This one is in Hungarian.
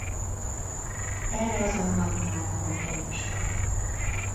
Erre azonban már nem került sor.